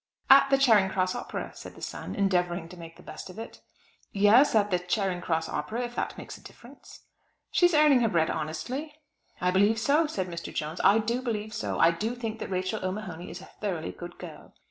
"At the Charing Cross Opera," said the son, endeavouring to make the best of it. "Yes; at the Charing Cross Opera, if that makes a difference." "She is earning her bread honestly." "I believe so," said Mr. Jones, "I do believe so, I do think that Rachel O'Mahony is a thoroughly good girl."